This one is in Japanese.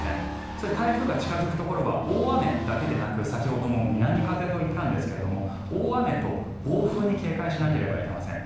そして、台風が近付くところは大雨だけでなく先ほども南風と言ったんですが大雨と暴風に警戒しなければいけません。